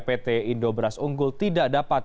pt indo beras unggul tidak dapat